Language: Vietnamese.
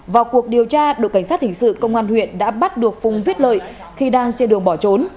vào cuộc điều tra đội cảnh sát hình sự công an huyện đã bắt được phùng viết lợi khi đang trên đường bỏ trốn